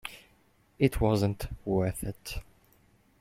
It wasn't worth it.